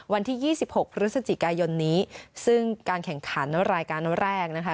วันที่๒๖พฤศจิกายนนี้ซึ่งการแข่งขันรายการแรกนะคะ